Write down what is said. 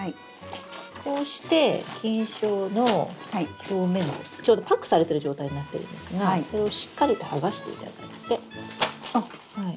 こうして菌床の表面をちょうどパックされてる状態になってるんですがそれをしっかりと剥がしていただいて。